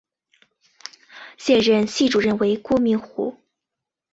现任系主任为郭明湖。